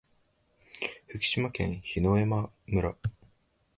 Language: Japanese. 福島県檜枝岐村